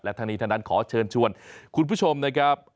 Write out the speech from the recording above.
ทั้งนี้ทั้งนั้นขอเชิญชวนคุณผู้ชมนะครับ